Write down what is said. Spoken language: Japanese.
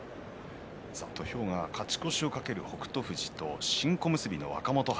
土俵は勝ち越しを懸ける北勝富士と新小結の若元春。